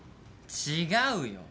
違うよ。